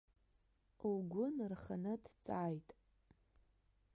Лгәы нырханы дҵааит.